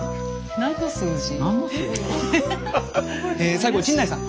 最後陣内さん。